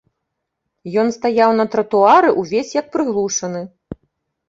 Ён стаяў на тратуары ўвесь як прыглушаны.